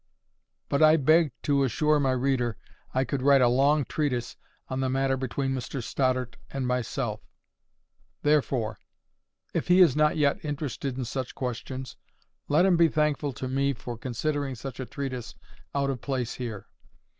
But I beg to assure my reader I could write a long treatise on the matter between Mr Stoddart and myself; therefore, if he is not yet interested in such questions, let him be thankful to me for considering such a treatise out of place here.